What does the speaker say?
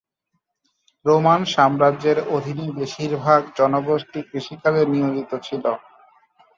Roman সাম্রাজ্যের অধীনে বেশিরভাগ জনগোষ্ঠী কৃষিকাজে নিয়োজিত ছিলো।